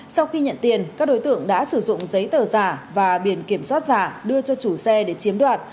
sau khi nhận tiền các đối tượng đã sử dụng giấy tờ giả và biển kiểm soát giả đưa cho chủ xe để chiếm đoạt